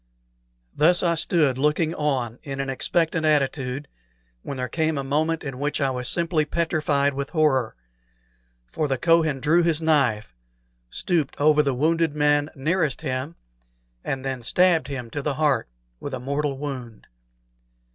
Thus I stood looking on in an expectant attitude, when there came a moment in which I was simply petrified with horror; for the Kohen drew his knife, stooped over the wounded man nearest him, and then stabbed him to the heart with a mortal wound.